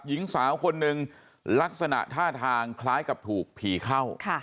หญิงสาวคนหนึ่งลักษณะท่าทางคล้ายกับถูกผีเข้า